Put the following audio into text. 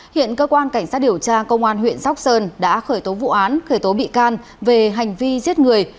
hiện cơ quan cảnh sát điều tra công an huyện sóc sơn đã khởi tố vụ án khởi tố bị can về hành vi giết người